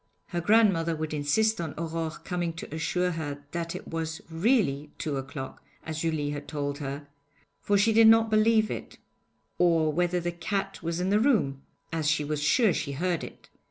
Her grandmother would insist on Aurore coming to assure her that it was really two o'clock, as Julie had told her, for she did not believe it; or whether the cat was in the room, as she was sure she heard it.